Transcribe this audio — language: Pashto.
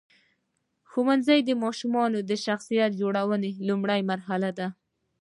ښوونځی د ماشومانو د شخصیت جوړونې لومړۍ مرحله ده.